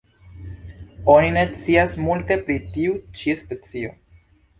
Oni ne scias multe pri tiu ĉi specio.